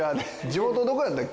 地元どこやったっけ？